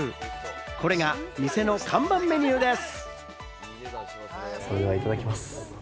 これが店の看板メニューです。